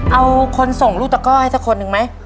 เอาคนส่งลูกตะก้อให้สักคนหนึ่งไหม